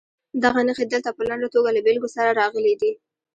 دغه نښې دلته په لنډه توګه له بېلګو سره راغلي دي.